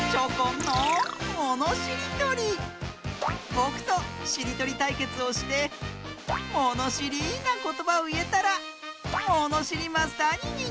ぼくとしりとりたいけつをしてものしりなことばをいえたらものしりマスターににんてい！